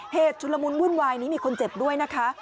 ชุลมุนวุ่นวายนี้มีคนเจ็บด้วยนะคะ